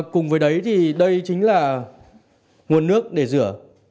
cùng với đấy thì đây chính là nguồn nước để rửa